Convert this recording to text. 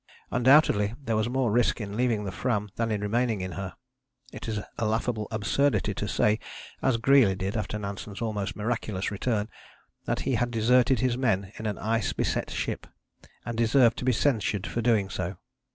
Undoubtedly there was more risk in leaving the Fram than in remaining in her. It is a laughable absurdity to say, as Greely did after Nansen's almost miraculous return, that he had deserted his men in an ice beset ship, and deserved to be censured for doing so.